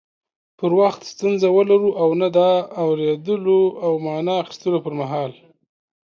پر وخت ستونزه ولرو او نه د اوريدلو او معنی اخستلو پر مهال